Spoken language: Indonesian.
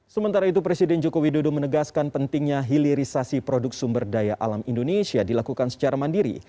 sementara itu presiden joko widodo menegaskan pentingnya hilirisasi produk sumber daya alam indonesia dilakukan secara mandiri